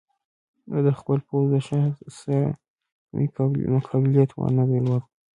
د ده خپل پوځ د شاه سره د مقابلې توان نه درلود.